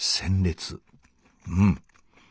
うん。